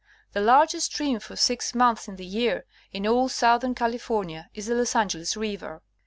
The largest stream for six months in the year, in all south ern California, is the Los Angeles river.